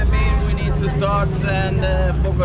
apa pendapat anda tentang itu